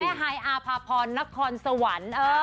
แม่ฮายอาร์ฟาพรนักคอนสวรรค์